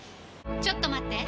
ちょっと待って！